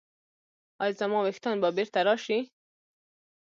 ایا زما ویښتان به بیرته راشي؟